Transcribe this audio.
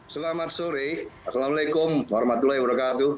selamat sore assalamualaikum warahmatullahi wabarakatuh